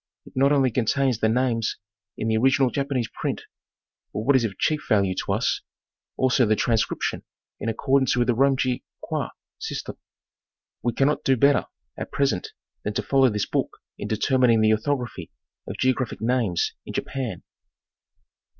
It not only contains the names in the original Japanese print, but what is of chief value to us, also the transcription, in accordance with the Romaji Kwai system. We cannot do better, at present, than to follow this book in determining the orthography of geographic names in Japan.